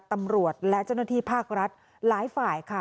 ตำรวจและเจ้าหน้าที่ภาครัฐหลายฝ่ายค่ะ